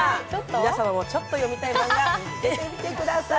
皆様もちょっと読みたいマンガ、みつけてみてください。